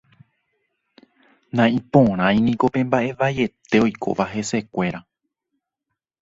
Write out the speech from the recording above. Naiporãiniko pe mbaʼe vaiete oikóva hesekuéra.